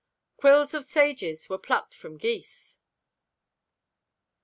"Quills of sages were plucked from geese."